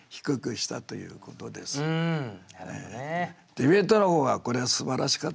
ディベートの方はこれはすばらしかったですよ。